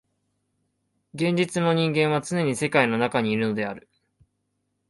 現実の人間はつねに世界の中にいるのである。